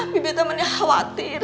bibi teh menihawatir